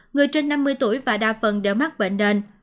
người trên năm mươi tuổi và đa phần đều mắc bệnh nền